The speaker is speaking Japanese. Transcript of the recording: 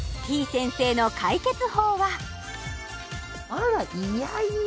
先生の解決法は？